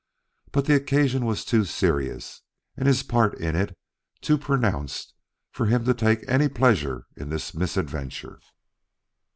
But the occasion was too serious and his part in it too pronounced for him to take any pleasure in this misadventure.